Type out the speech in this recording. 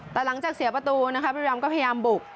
แต่หลังจากเสียประตูนะคะบุรีรำก็พยายามบุก